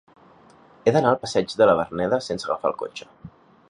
He d'anar al passeig de la Verneda sense agafar el cotxe.